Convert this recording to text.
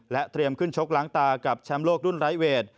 เตรียมขึ้นชกล้างตากับแชมป์โลกรุ่นไร้เวท